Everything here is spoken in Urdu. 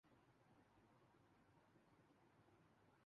نیب کے سربراہ قمر زمان چوہدری تھے۔